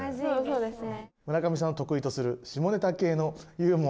そうですね。